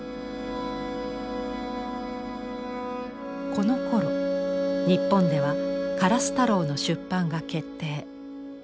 このころ日本では「からすたろう」の出版が決定。